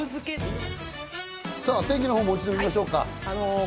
天気、もう一度見ましょうか。